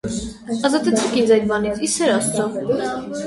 Ազատեցեք ինձ այդ բանից, ի սեր աստծո: